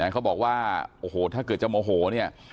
เขาบอกว่าโอ้โหถ้าเกิดจะโมโหเนี่ย